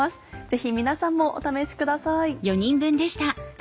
ぜひ皆さんもお試しください。